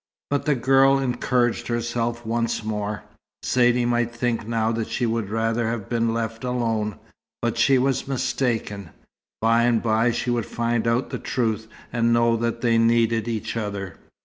But the girl encouraged herself once more. Saidee might think now that she would rather have been left alone. But she was mistaken. By and by she would find out the truth, and know that they needed each other.